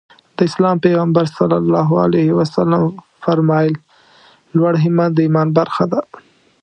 د اسلام پيغمبر ص وفرمايل لوړ همت د ايمان برخه ده.